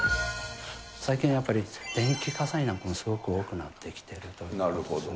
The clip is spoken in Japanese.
最近やっぱり、電気火災なんかもすごく多くなってきているんですね。